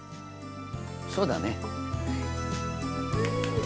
そうだね。